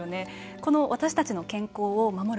この私たちの健康を守る